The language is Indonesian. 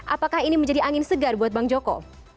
apakah ini menjadi angin segar buat bang joko